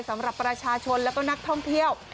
สำหรับประชาชนแล้วก็นักท่องเที่ยว